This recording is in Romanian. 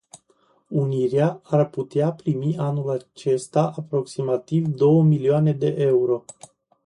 Unirea ar putea primi anul acesta aproximativ două milioane de euro.